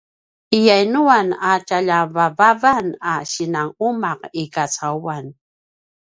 i yainuan a tjalja vavavan a sinanumaq i kacauan?